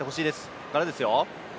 ここからですよ。